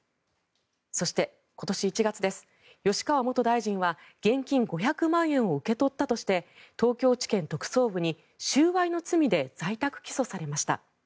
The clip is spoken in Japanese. そして、今年１月吉川元大臣は現金５００万円を受け取ったとして東京地検特捜部に収賄の罪で在宅起訴されました。